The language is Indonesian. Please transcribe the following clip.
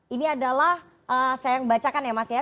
ini adalah saya yang bacakan ya mas ya